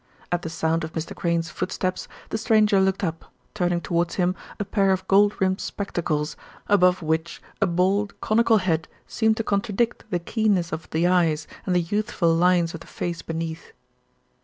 At the sound of Mr. Crayne's footsteps the stranger looked up, turning towards him a pair of gold rimmed spectacles, above which a bald conical head seemed to contradict the keenness of the eyes and the youthful lines of the face beneath.